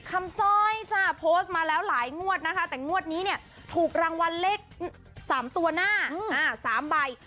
ผิดคำซ่อยโพสต์มาแล้วหลายงวดแต่งวดนี้ถูกรางวัลเลข๓ตัวหน้า๓ใบ